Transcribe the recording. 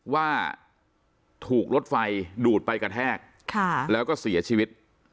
ว่าถูกรถไฟดูดไปกระแทกแล้วก็เสียชีวิต